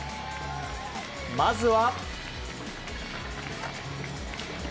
まずは。